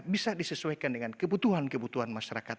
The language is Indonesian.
bisa disesuaikan dengan kebutuhan kebutuhan masyarakat